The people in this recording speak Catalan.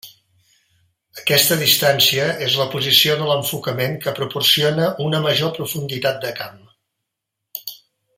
Aquesta distància és la posició de l'enfocament que proporciona una major profunditat de camp.